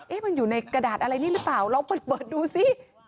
มันอยู่ในกระดาษอะไรนี่หรือเปล่าลองเปิดดูสิ